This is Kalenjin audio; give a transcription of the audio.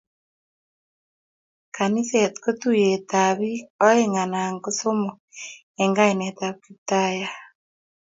Kaniset ko tuiyet ab bik aeng' anan somok eng kainet ab Kiptaiyat